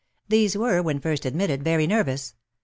These were, when first admitted, very nervous.